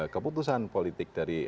keputusan politik dari